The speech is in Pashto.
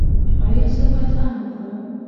ایا زه باید ام وخورم؟